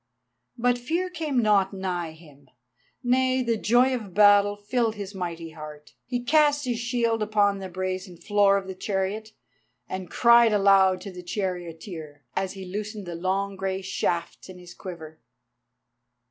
But fear came not nigh him, nay, the joy of battle filled his mighty heart. He cast his shield upon the brazen floor of the chariot, and cried aloud to the charioteer, as he loosened the long grey shafts in his quiver.